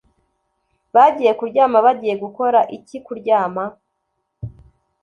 bagiye kuryama bagiye gukora iki’ kuryama